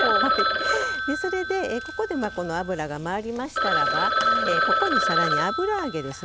それでここで油が回りましたらばここに、さらに油揚げですね。